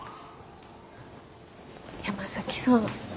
山崎さん